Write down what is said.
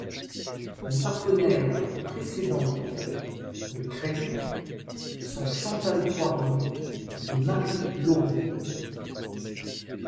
Les partenaires précédentes de Craig sont Chantal Poirier et Marie Laurier.